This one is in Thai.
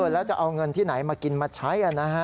แล้วจะเอาเงินที่ไหนมากินมาใช้